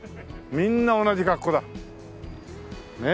みんな同じ格好だ。